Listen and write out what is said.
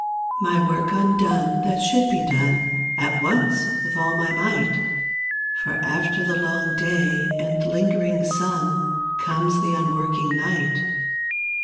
My work undone, that should be done At once with all my might; For after the long day and lingering sun Comes the unworking night.